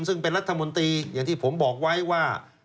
ซึ่งเป็นรัฐมนตรีอย่างที่ผมบอกไว้ว่า